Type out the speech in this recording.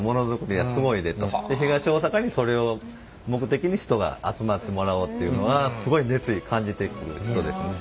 東大阪にそれを目的に人が集まってもらおうっていうのがすごい熱意感じてる人ですね。